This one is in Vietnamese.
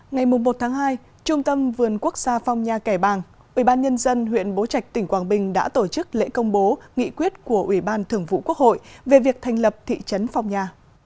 ngày một hai trung tâm vườn quốc gia phong nha kẻ bàng ubnd huyện bố trạch tỉnh quảng bình đã tổ chức lễ công bố nghị quyết của ubnd về việc thành lập thị trấn phong nha